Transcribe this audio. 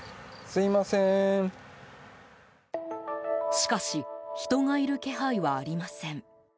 しかし人がいる気配はありません。